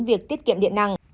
việc tiết kiệm điện năng